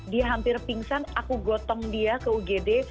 dia hampir pingsan aku gotong dia ke ugd